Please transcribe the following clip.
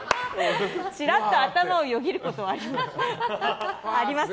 ちらっと頭をよぎることはあります。